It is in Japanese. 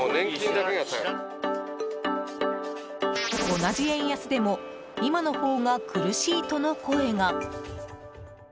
同じ円安でも今のほうが苦しいとの声が。